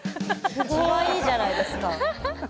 かわいいじゃないですか。